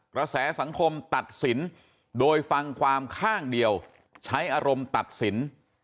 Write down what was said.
กระแสสังคมตัดสินโดยฟังความข้างเดียวใช้อารมณ์ตัดสิน